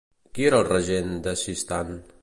Qui era el regent de Sistan?